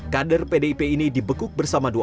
kader pdip ini dibekuk bersama dua